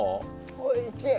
おいしい。